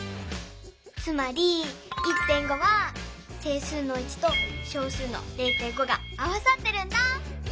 つまり１．５は整数の１と小数の０．５が合わさってるんだ。